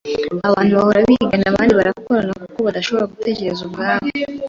Abantu bahora bigana abandi barabikora kuko badashobora gutekereza ubwabo.